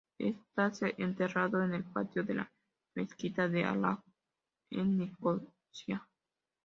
Está enterrado en el patio de la mezquita de Arab Ahmet en Nicosia.